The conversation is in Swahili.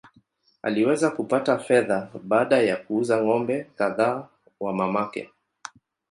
Aliweza kupata fedha baada ya kuuza ng’ombe kadhaa wa mamake.